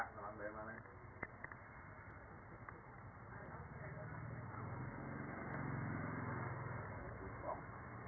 สวัสดีครับปอลิฟฟอร์